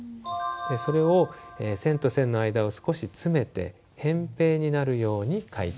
それを線と線の間を少し詰めて扁平になるように書いていくのもコツですね。